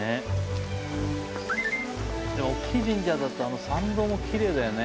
大きい神社だと参道もきれいだよね。